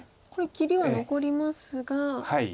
これ切りは残りますが。